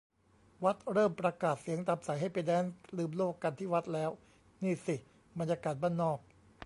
วัดเริ่มประกาศเสียงตามสายให้ไปแด๊นซ์ลืมโลกกันที่วัดแล้ว นี่สิบรรยากาศบ้านนอก